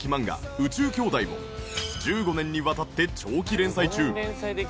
『宇宙兄弟』を１５年にわたって長期連載中。